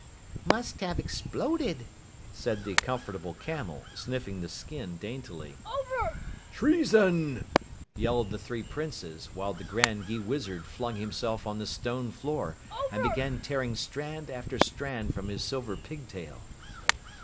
"Must have exploded," said the Comfortable Camel, sniffing the skin daintily. "Treason!" yelled the three Princes, while the Grand Gheewizard flung himself on the stone floor and began tearing strand after strand from his silver pigtail.